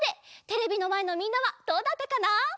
テレビのまえのみんなはどうだったかな？